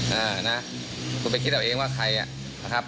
อ่านะคุณไปคิดเอาเองว่าใครอ่ะนะครับ